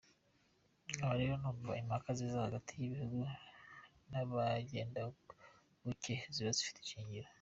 Nkaba rero numva, impaka ziza hagati y’abihuta n’abagenda buke, zaba zifite ishingiro.